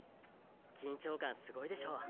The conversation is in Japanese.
緊張感すごいでしょ？